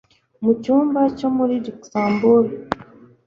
Mu cyumba cyo muri Luxembourg